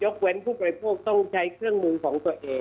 เว้นผู้บริโภคต้องใช้เครื่องมือของตัวเอง